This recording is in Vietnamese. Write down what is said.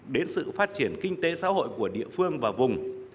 đến sự phát triển kinh tế xã hội của địa phương và vùng